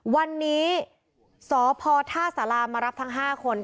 วันนี้สพท่าสารามารับทั้ง๕คน